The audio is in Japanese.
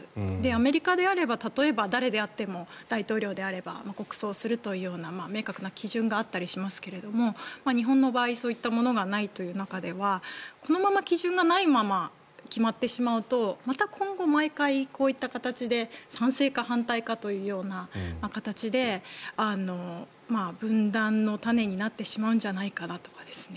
アメリカであれば例えば誰であっても大統領であれば国葬をするというような明確な基準があったりしますが日本の場合、そういったものがないという中ではこのまま基準がないまま決まってしまうとまた今後、毎回こういった形で賛成か反対かというような形で分断の種になってしまうんじゃないかとか。